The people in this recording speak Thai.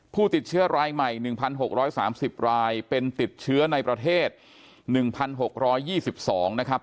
ผู้ติดเชื้อรายใหม่๑๖๓๐รายเป็นติดเชื้อในประเทศ๑๖๒๒นะครับ